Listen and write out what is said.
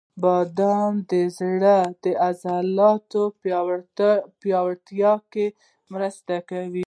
• بادام د زړه د عضلاتو پیاوړتیا کې مرسته کوي.